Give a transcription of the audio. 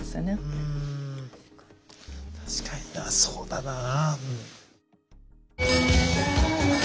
うん確かになそうだなぁ。